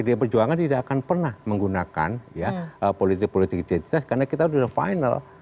pdi perjuangan tidak akan pernah menggunakan politik politik identitas karena kita sudah final